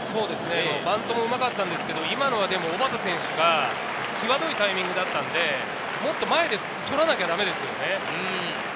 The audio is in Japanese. バントもうまかったんですけど、小幡選手は今のは際どいタイミングだったので、もっと前で捕らなきゃだめですよね。